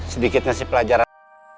sedikit nasib pelajaran